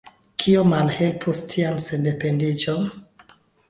Kio malhelpus tian sendependiĝon?